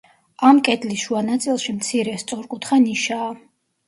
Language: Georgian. ამ კედლის შუა ნაწილში მცირე, სწორკუთხა ნიშაა.